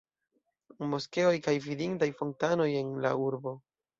Moskeoj kaj vidindaj fontanoj en la urbo.